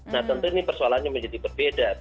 nah tentu ini persoalannya menjadi berbeda